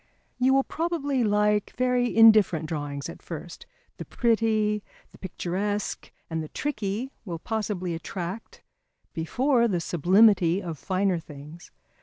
You will probably like very indifferent drawings at first, the pretty, the picturesque and the tricky will possibly attract before the sublimity of finer things.